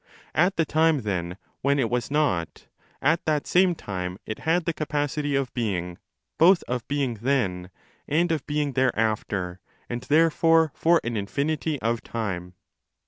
At the time, then, when it was not, at that same time it had the capacity of being, both of being then and of being there after, and therefore for an infinity of time.